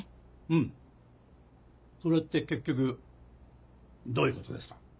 うんそれって結局どういうことですか？